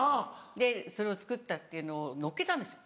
でそれを作ったっていうのを載っけたんですよ。